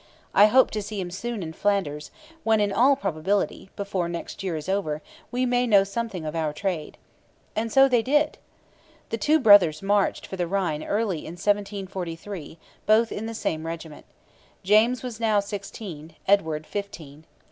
I hope to see him soon in Flanders, when, in all probability, before next year is over, we may know something of our trade.' And so they did! The two brothers marched for the Rhine early in 1743, both in the same regiment. James was now sixteen, Edward fifteen.